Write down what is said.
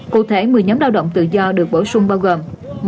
cụ thể một mươi nhóm lao động tự do được bổ sung bao gồm